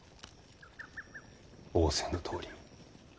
仰せのとおりに。